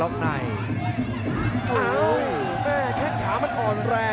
โอ้โฮ